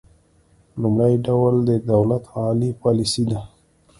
لومړی ډول د دولت عالي پالیسي ده